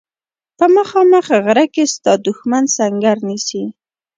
په مخامخ غره کې ستا دښمن سنګر نیسي.